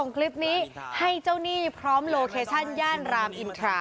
คลิปนี้ให้เจ้าหนี้พร้อมโลเคชั่นย่านรามอินทรา